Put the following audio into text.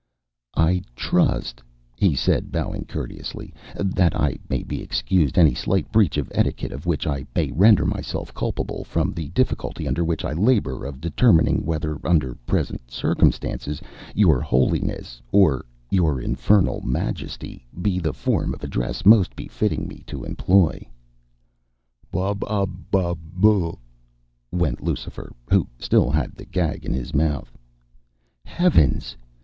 "I trust," he said, bowing courteously, "that I may be excused any slight breach of etiquette of which I may render myself culpable from the difficulty under which I labour of determining whether, under present circumstances, 'Your Holiness,' or 'Your infernal Majesty' be the form of address most befitting me to employ." "Bub ub bub boo," went Lucifer, who still had the gag in his mouth. "Heavens!"